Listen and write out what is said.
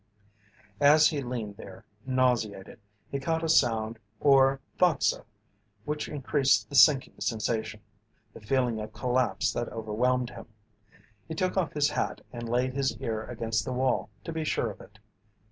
As he leaned there, nauseated, he caught a sound, or thought so, which increased the sinking sensation, the feeling of collapse that overwhelmed him. He took off his hat and laid his ear against the wall to be sure of it.